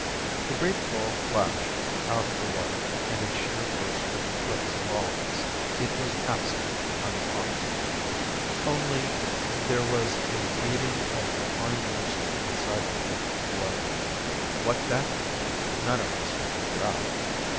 The great ball flashed out of the water, and a cheer burst from the throats of all of us. It was absolutely unharmed. Only there was a beading of fine moisture inside the thick globe. What that could mean, none of us could figure out.